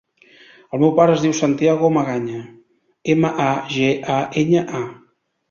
El meu pare es diu Santiago Magaña: ema, a, ge, a, enya, a.